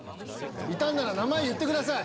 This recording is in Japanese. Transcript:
いたんなら名前言ってください！